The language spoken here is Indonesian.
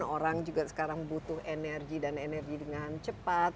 orang juga sekarang butuh energi dan energi dengan cepat